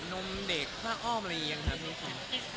นมเด็กฮ่าอ้อมอะไรอย่างนี้นะทุกคน